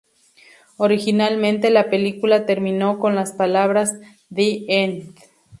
Originalmente, la película terminó con las palabras "The End?